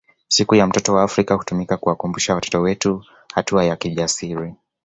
Siku ya mtoto wa Afrika hutumika kuwakumbusha watoto wetu hatua ya kijasiri